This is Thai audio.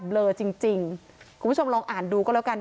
เลอจริงจริงคุณผู้ชมลองอ่านดูก็แล้วกัน